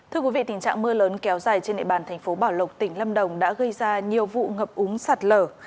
thưa quý vị tình trạng mưa lớn kéo dài trên địa bàn thành phố bảo lộc tỉnh lâm đồng đã gây ra nhiều vụ ngập úng sạt lở